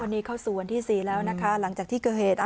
ตอนนี้เข้าสู่วันที่๔แล้วนะคะหลังจากที่เกิดเหตุ